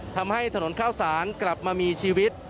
ทำให้ถนนข้าวสารกลับมามีชีวิต